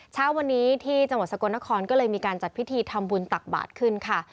เช้าวันนี้ที่จังหวัดสกลนครก็เลยมีการจัดพิธีทำบุญตักบาทขึ้นค่ะ